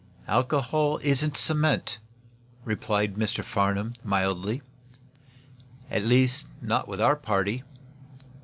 "Alcohol isn't cement," replied Mr. Farnum, mildly. "At least, not with our party.